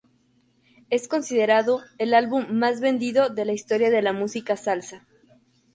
Es considerado el álbum más vendido en la historia de la música salsa.